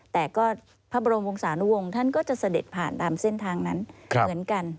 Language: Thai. แต่ก็พระบรมวงศานุวงศ์ท่านก็จะเสด็จผ่านตามเส้นทางนั้นเหมือนกัน